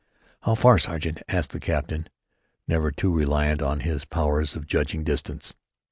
"How far, sergeant?" asked the captain, never too reliant on his powers of judging distance.